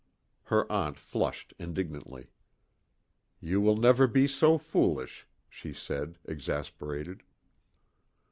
Her aunt flushed indignantly. "You will never be so foolish," she said, exasperated.